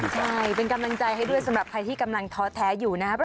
ใช่เป็นกำลังใจให้ด้วยสำหรับใครที่กำลังท้อแท้อยู่นะครับ